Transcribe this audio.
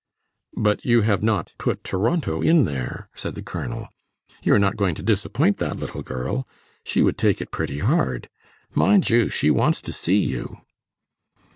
"But you have not put Toronto in there," said the colonel; "you are not going to disappoint that little girl? She would take it pretty hard. Mind you, she wants to see you."